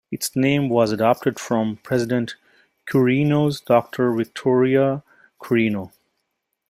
Its name was adopted from President Quirino's daughter Victoria Quirino.